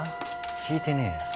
聞いてねえよ。